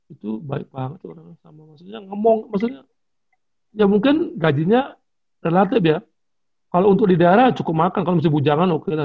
itu baik banget maksudnya ngomong ya mungkin gajinya relatif ya kalau untuk di daerah cukup makan kalau masih bujangan oke lah